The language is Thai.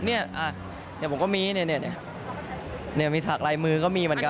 เนี่ยอ่ะเนี่ยผมก็มีเนี่ยเนี่ยมีศักดิ์ลายมือก็มีเหมือนกัน